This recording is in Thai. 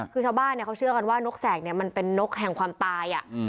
คือชาวบ้านเขาเชื่อกันว่านกแสกเนี่ยมันเป็นนกแห่งความตาย